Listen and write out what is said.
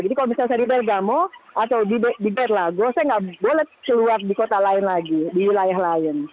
jadi kalau misalnya saya di bergamo atau di berlago saya nggak boleh keluar di kota lain lagi di wilayah lain